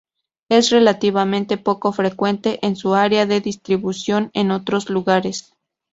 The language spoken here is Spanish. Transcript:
Es relativamente poco frecuente en su área de distribución en otros lugares.